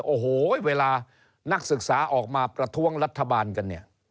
โอ้โหเวลานักศึกษาออกมาประท้วงรัฐบาลกันเนี่ย